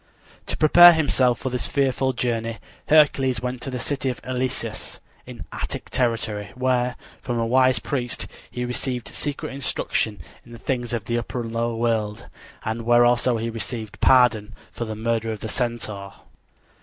To prepare himself for this fearful journey Hercules went to the city of Eleusis, in Attic territory, where, from a wise priest, he received secret instruction in the things of the upper and lower world, and where also he received pardon for the murder of the Centaur.